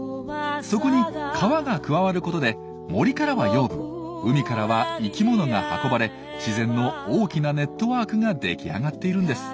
そこに川が加わることで森からは養分海からは生きものが運ばれ自然の大きなネットワークが出来上がっているんです。